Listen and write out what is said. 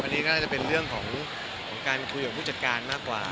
อันนี้ก็น่าจะเป็นเรื่องของการคุยกับผู้จัดการมากกว่า